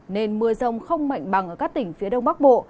nên mưa rông không mạnh bằng ở các tỉnh phía đông bắc bộ